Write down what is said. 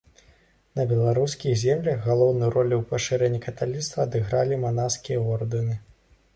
На беларускіх землях галоўную ролю ў пашырэнні каталіцтва адыгралі манаскія ордэны.